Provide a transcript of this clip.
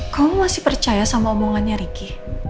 kamu masih percaya sama omongannya ricky